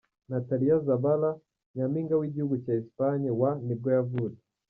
Natalia Zabala, nyampinga w’igihugu cya Espagne wa nibwo yavutse.